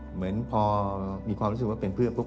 เหมือนพอมีความรู้สึกว่าเป็นเพื่อนปุ๊